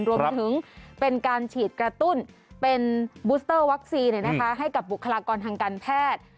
รวมถึงเป็นการฉีดกระตุ้นเป็นบูสเตอร์วัคซีนให้กับบุคลากรทางการแพทย์